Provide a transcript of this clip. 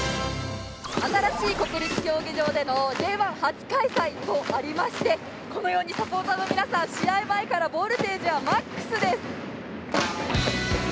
新しい国立競技場でのＪ１初開催とありましてこのようにサポーターの皆さん試合前からボルテージはマックスです。